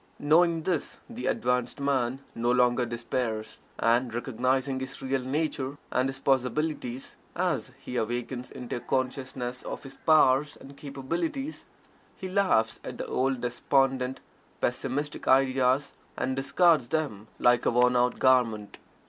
Knowing this the advanced man no longer despairs, and, recognizing his real nature, and his possibilities, as he awakens into a consciousness of his powers and capabilities, he laughs at the old despondent, pessimistic ideas, and discards them like a worn out garment.